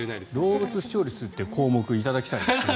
動物視聴率という項目いただきたいですね。